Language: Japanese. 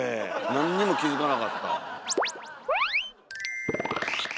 何にも気付かなかった。